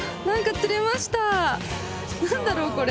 何だろう？